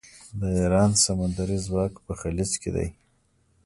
د ایران سمندري ځواک په خلیج کې دی.